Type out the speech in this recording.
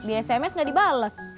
di sms gak dibales